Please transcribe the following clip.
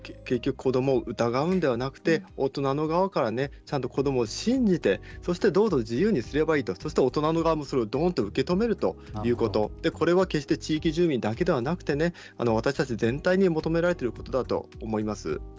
子どもを疑うんではなくて大人の側からちゃんと子どもを信じて、どうぞ自由にすればいいと、大人もそれをどんと受け止めるということ、これは決して地域住民だけではなくて私たち全体に求められていることだと思います。